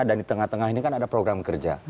di tengah tengah ini kan ada program kerja